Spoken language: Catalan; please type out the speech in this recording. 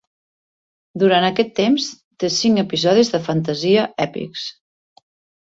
Durant aquest temps, té cinc episodis de fantasia èpics.